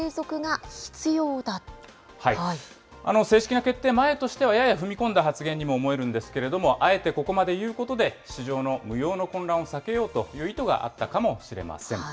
正式な決定前としては、やや踏み込んだ発言にも思えるんですけども、あえてここまで言うことで、市場の無用の混乱を避けようという意図があったかもしれません。